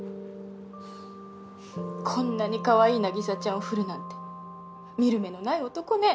こんなにかわいい凪沙ちゃんを振るなんて見る目のない男ね。